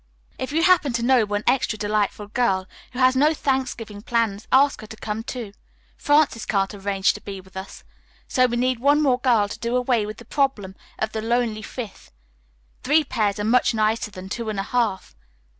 "If you happen to know one extra delightful girl who has no Thanksgiving plans ask her to come, too. Frances can't arrange to be with us, so we need one more girl to do away with the problem of the 'lonely fifth.' Three pairs are much nicer than two and a half.